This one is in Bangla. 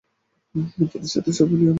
এর প্রতিষ্ঠাতা শফিউল আলম প্রধান।